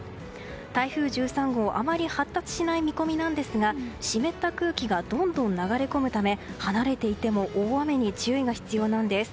台風１３号、あまり発達しない見込みなんですが湿った空気がどんどん流れ込むため離れていても大雨に注意が必要です。